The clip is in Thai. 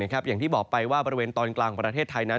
อย่างที่บอกไปว่าบริเวณตอนกลางประเทศไทยนั้น